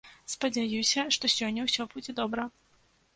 Спадзяюся, што сёння ўсё будзе добра.